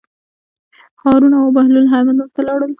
هارون او بهلول حمام ته لاړل.